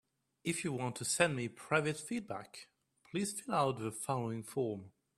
If you want to send me private feedback, please fill out the following form.